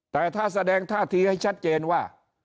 แต่ถ้าแสดงท่าทีให้ชัดเจนว่า